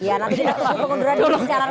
nanti kita tunggu kemudian